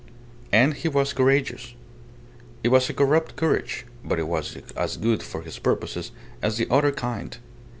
And he was courageous. It was a corrupt courage, but it was as good for his purposes as the other kind.